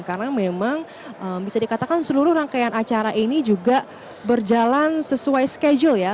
karena memang bisa dikatakan seluruh rangkaian acara ini juga berjalan sesuai schedule ya